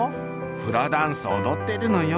「フラダンスおどっているのよ」。